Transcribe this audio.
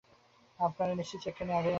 আপনাকে নিশ্চয়ই চেকখানি আগে আনিতে হইবে।